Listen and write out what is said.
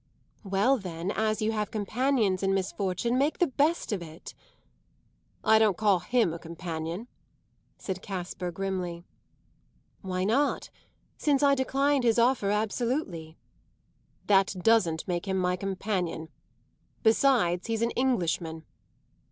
"Well then, as you have companions in misfortune, make the best of it." "I don't call him a companion," said Casper grimly. "Why not since I declined his offer absolutely?" "That doesn't make him my companion. Besides, he's an Englishman."